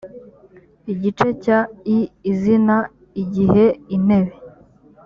igice cya i izina igihe intebe